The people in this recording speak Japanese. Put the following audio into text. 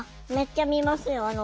あっめっちゃ見ますよ。